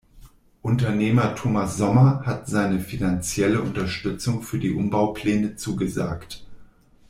Unternehmer Thomas Sommer hat seine finanzielle Unterstützung für die Umbaupläne zugesagt.